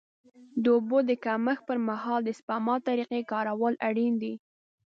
د اوبو د کمښت پر مهال د سپما طریقې کارول اړین دي.